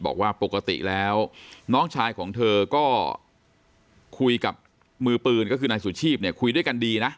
บอกว่าปกติแล้วน้องชายของเธอก็คุยกับมือปืนก็คือนายสุชีพเนี่ยคุยด้วยกันดีนะ